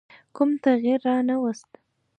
کوم تغییر رانه ووست.